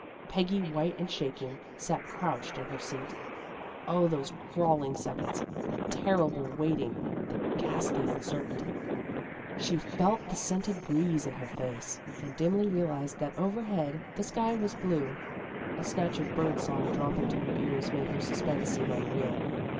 Peggy, white and shaking, sat crouched in her seat. O, those crawling seconds, that terrible waiting, the ghastly uncertainty. She felt the scented breeze in her face, and dimly realized that overhead the sky was blue. A snatch of bird song dropping to her ears made her suspense seem unreal.